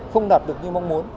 không đạt được như mong muốn